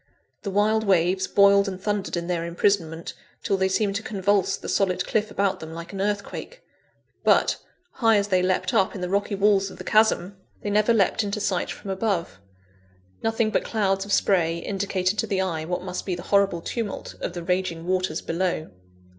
The wild waves boiled and thundered in their imprisonment, till they seemed to convulse the solid cliff about them, like an earthquake. But, high as they leapt up in the rocky walls of the chasm, they never leapt into sight from above. Nothing but clouds of spray indicated to the eye, what must be the horrible tumult of the raging waters below.